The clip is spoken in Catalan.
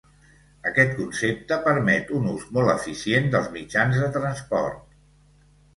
Aquest concepte permet un ús molt eficient dels mitjans de transport.